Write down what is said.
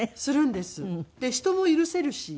で人も許せるし。